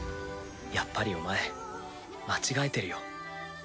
やっぱりお前間違えてるよ。